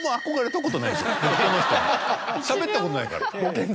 僕この人にしゃべったことないから。